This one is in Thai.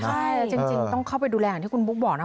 ใช่จริงต้องเข้าไปดูแลอย่างที่คุณบุ๊คบอกนะ